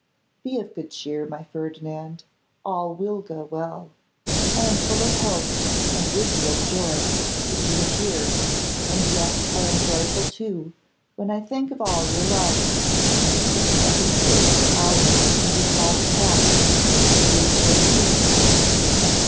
Be of good cheer, my Ferdinand, all will go well. I am full of hope, and would be of joy, if you were here, and yet I am joyful, too, when I think of all your love. I can sit for hours and recall the past, it is so sweet.